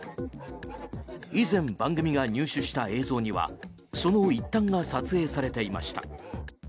以前、番組が入手した映像にはその一端が撮影されていました。